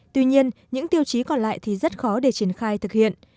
tuy nhiên những tiêu chí còn lại thì rất khó để triển khai thực hiện